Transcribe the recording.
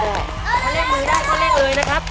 ข้าวเร่งมือได้ข้าวเร่งเลยนะครับ